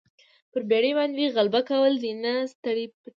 پر بېرې باندې غلبه کول دي نه سترګې پټول.